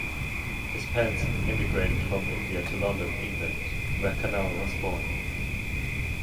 His parents emigrated from India to London, England, where Kanal was born.